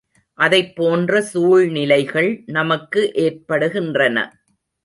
அதைப்போன்ற சூழ்நிலைகள் நமக்கும் ஏற்படுகின்றன.